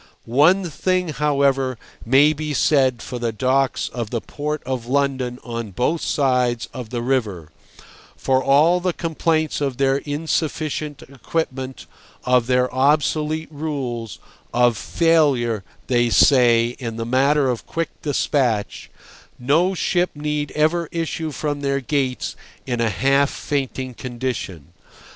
One thing, however, may be said for the docks of the Port of London on both sides of the river: for all the complaints of their insufficient equipment, of their obsolete rules, of failure (they say) in the matter of quick despatch, no ship need ever issue from their gates in a half fainting condition.